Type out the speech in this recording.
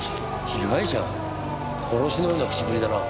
殺しのような口ぶりだな。